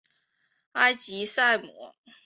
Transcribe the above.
埃吉赛姆。